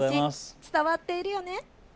伝わっているよね。